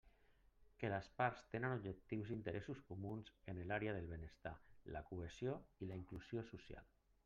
Que les parts tenen objectius i interessos comuns en l'àrea del benestar, la cohesió i la inclusió socials.